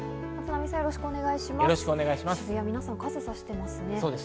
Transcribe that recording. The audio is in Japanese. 渋谷、皆さん傘さしてますね。